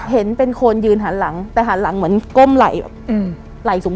เห็นเป็นคนยืนหาลังแต่หาลังเหมือนก้มไหล่